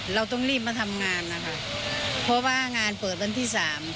เราต้องรีบมาทำงานนะคะเพราะว่างานเปิดวันที่สาม